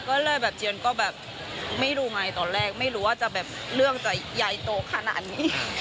ก็เลยแบบเจียนก็แบบไม่รู้ไงตอนแรกไม่รู้ว่าจะแบบเรื่องจะใหญ่โตขนาดนี้